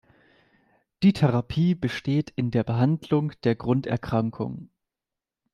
Die Therapie besteht in der Behandlung der Grunderkrankung.